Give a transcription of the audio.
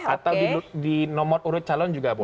atau di nomor urut calon juga boleh